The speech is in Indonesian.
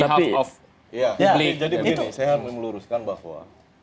jadi begini saya mau meluruskan bahwa